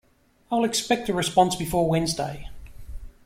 I will expect a response before Wednesday